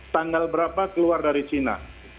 tanggal berapa keluar dari cina